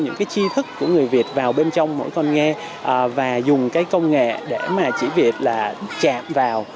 những cái chi thức của người việt vào bên trong mỗi con nghe và dùng cái công nghệ để mà chỉ việc là chạm vào